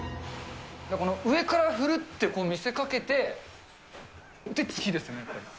この、上から振るって見せかけて、で、突きですね。